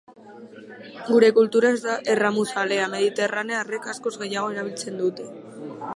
Gure kultura ez da erramuzalea, mediterranearrek askoz gehiago erabiltzen dute.